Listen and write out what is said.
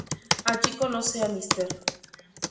Allí conoce a Mr.